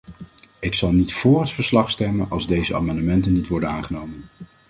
Ik zal niet vóór het verslag stemmen als deze amendementen niet worden aangenomen.